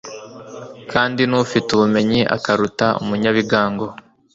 kandi n’ufite ubumenyi akaruta umunyabigango